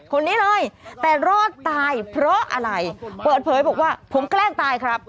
คนนี้เลยแต่รอดตายเพราะอะไรเปิดเผยบอกว่าผมแกล้งตายครับ